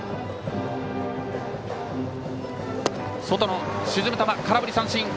外の沈む球、空振り三振！